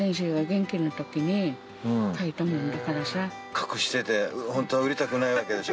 隠しててホントは売りたくないわけでしょ？